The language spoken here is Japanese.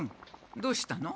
どうしたの？